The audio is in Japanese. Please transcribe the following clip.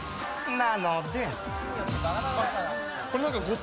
なので。